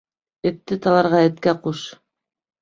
Этте таларға эткә ҡуш.